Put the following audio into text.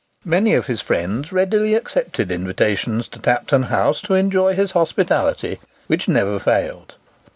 Many of his friends readily accepted invitations to Tapton House to enjoy his hospitality, which never failed.